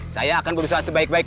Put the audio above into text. saya akan berusaha selamatkan dia